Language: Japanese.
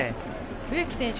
植木選手